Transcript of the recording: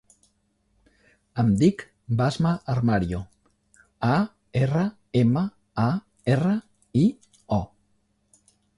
Em dic Basma Armario: a, erra, ema, a, erra, i, o.